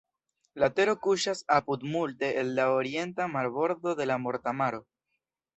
La tero kuŝas apud multe el la orienta marbordo de la Morta Maro.